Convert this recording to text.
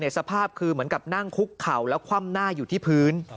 สภาพคือเหมือนกับนั่งคุกเข่าแล้วคว่ำหน้าอยู่ที่พื้น